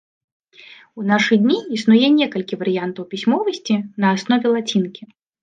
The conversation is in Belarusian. У нашы дні існуе некалькі варыянтаў пісьмовасці на аснове лацінкі.